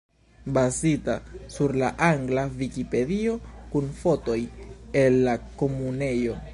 Bazita sur la angla Vikipedio, kun fotoj el la Komunejo.